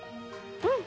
うん！